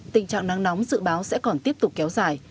tình trạng nắng nóng dự báo sẽ còn tiếp tục kéo dài